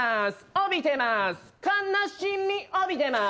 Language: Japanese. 帯びてます